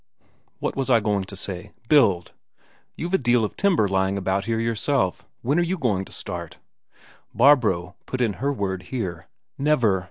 What was I going to say? Build? You've a deal of timber lying about here yourself. When are you going to start?" Barbro put in her word here: "Never!"